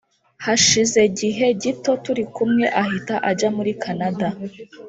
Hashize gihe gito turikumwe ahita ajya muri Canada